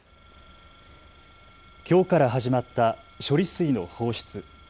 きょうから始まった処理水の放出。